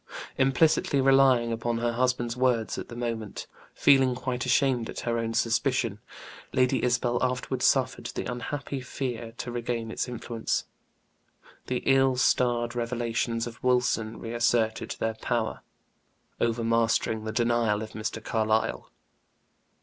Implicitly relying upon her husband's words at the moment, feeling quite ashamed at her own suspicion, Lady Isabel afterward suffered the unhappy fear to regain its influence; the ill starred revelations of Wilson reasserted their power, overmastering the denial of Mr. Carlyle.